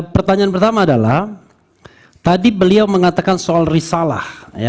pertanyaan pertama adalah tadi beliau mengatakan soal risalah